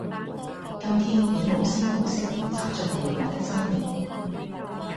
今天你無聲無息走進了我的生命